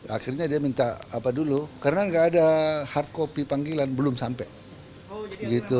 akhirnya dia minta apa dulu karena gak ada hard kopi panggilan belum sampai